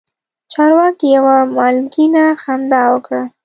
چارواکي یوه مالګینه خندا وکړه.